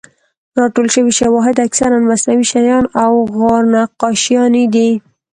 راټول شوي شواهد اکثراً مصنوعي شیان او غار نقاشیانې دي.